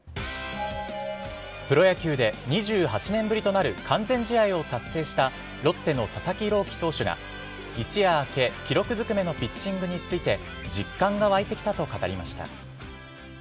プロ野球で２８年ぶりとなる完全試合を達成したロッテの佐々木朗希投手が、一夜明け、記録ずくめのピッチングについて、実感が湧いてきたと語りました。